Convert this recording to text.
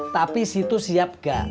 tapi situ siap gak